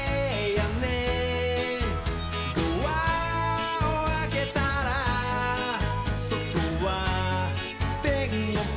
「ドアをあけたらそとはてんごく」